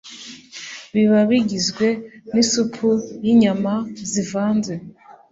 Biba bigizwe n'isupu y'inyama zivanze